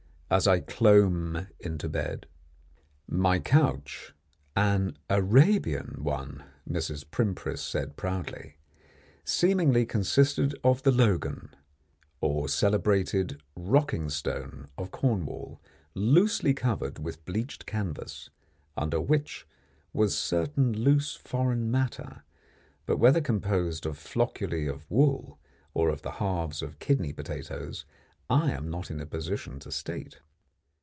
as I clomb into bed. My couch an "Arabian" one, Mrs. Primpris said proudly seemingly consisted of the Logan, or celebrated rocking stone of Cornwall, loosely covered with bleached canvas, under which was certain loose foreign matter, but whether composed of flocculi of wool or of the halves of kidney potatoes I am not in a position to state.